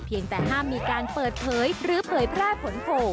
แต่ห้ามมีการเปิดเผยหรือเผยแพร่ผลโผล่